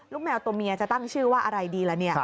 แมวตัวเมียจะตั้งชื่อว่าอะไรดีล่ะเนี่ย